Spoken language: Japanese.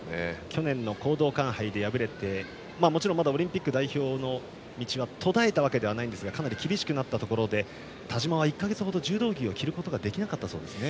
去年の講道館杯で敗れてもちろんまだオリンピック代表の道が途絶えたわけではありませんがかなり厳しくなったところで田嶋は１か月ほど柔道着を着ることができなかったそうですね。